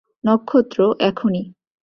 নক্ষত্র, এখনি।